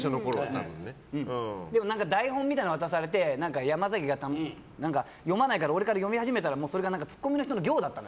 台本みたいなのを渡されて山崎がたまに、読まないから俺から読み始めたらツッコミの人の行だったの。